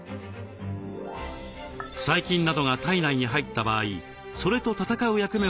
細菌などが体内に入った場合それと戦う役目を果たすのは白血球。